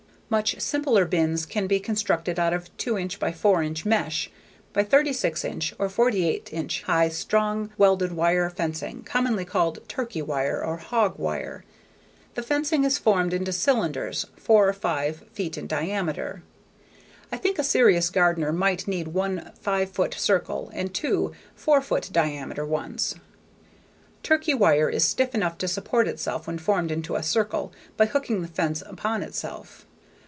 Much simpler bins can be constructed out of 2" x 4" mesh x 36" or 48" high strong, welded wire fencing commonly called "turkey wire," or "hog wire." The fencing is formed into cylinders four to five feet in diameter. I think a serious gardener might need one five foot circle and two, four foot diameter ones. Turkey wire is stiff enough to support itself when formed into a circle by hooking the fencing upon itself.